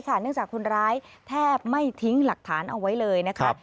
เนื่องจากคนร้ายแทบไม่ทิ้งหลักฐานเอาไว้เลยนะคะ